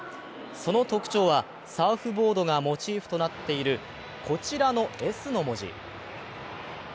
その特徴はサーフボードがモチーフとなっているこちらの「Ｓ」の文字。